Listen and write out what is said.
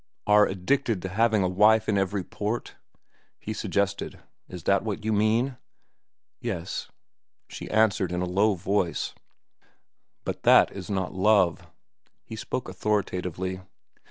"Are addicted to having a wife in every port?" he suggested. "Is that what you mean?" "Yes," she answered in a low voice. "But that is not love." He spoke authoritatively.